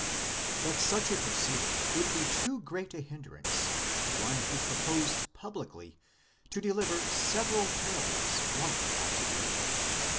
But such a proceeding would be too great a hindrance to: one who proposed publicly to deliver several parables one after the other